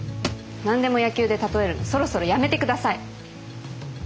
何でも野球で例えるのそろそろやめてください。